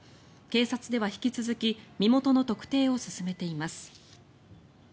警察では引き続き身元の特定を進めています。